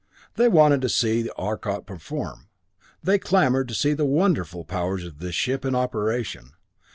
They wanted to see Arcot perform; they clamored to see the wonderful powers of this ship in operation.